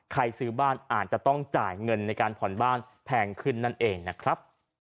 ซื้อบ้านอาจจะต้องจ่ายเงินในการผ่อนบ้านแพงขึ้นนั่นเองนะครับ